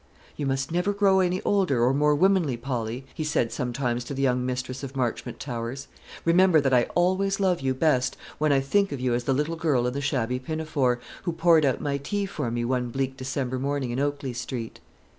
"You must never grow any older or more womanly, Polly," he said sometimes to the young mistress of Marchmont Towers. "Remember that I always love you best when I think of you as the little girl in the shabby pinafore, who poured out my tea for me one bleak December morning in Oakley Street."